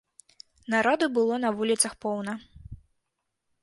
Народу было на вуліцах поўна.